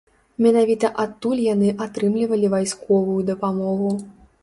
Менавіта адтуль яны атрымлівалі вайсковую дапамогу.